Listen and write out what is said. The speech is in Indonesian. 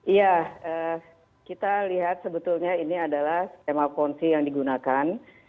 iya kita lihat sebetulnya ini adalah skema ponzi yang digunakan